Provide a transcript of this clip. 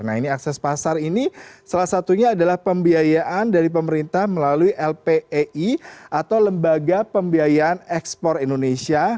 nah ini akses pasar ini salah satunya adalah pembiayaan dari pemerintah melalui lpei atau lembaga pembiayaan ekspor indonesia